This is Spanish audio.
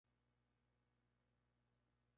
El magistrado actual es Kim Hyung-Su.